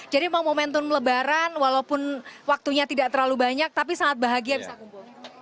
jadi mau momentum lebaran walaupun waktunya tidak terlalu banyak tapi sangat bahagia bisa kumpul